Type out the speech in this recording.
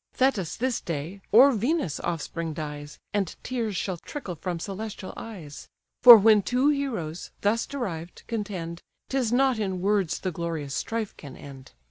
Thetis' this day, or Venus' offspring dies, And tears shall trickle from celestial eyes: For when two heroes, thus derived, contend, 'Tis not in words the glorious strife can end.